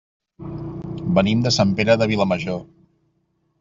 Venim de Sant Pere de Vilamajor.